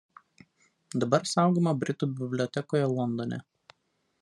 Dabar saugoma Britų bibliotekoje Londone.